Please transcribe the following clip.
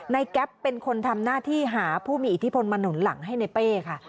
แก๊ปเป็นคนทำหน้าที่หาผู้มีอิทธิพลมาหนุนหลังให้ในเป้ค่ะ